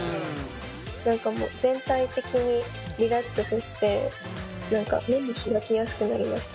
何かもう全体的にリラックスして目も開きやすくなりました。